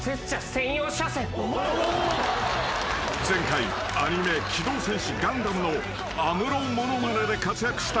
［前回アニメ『機動戦士ガンダム』のアムロ物まねで活躍した］